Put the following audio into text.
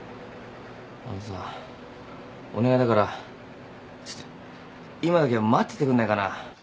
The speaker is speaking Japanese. あのさお願いだからちょっと今だけ待っててくんないかな。